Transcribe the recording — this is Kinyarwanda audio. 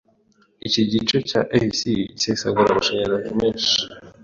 Iki gice cya AC gisesagura amashanyarazi menshi.